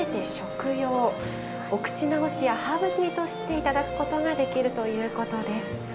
お口直しやハーブティーとして頂くことができるということです。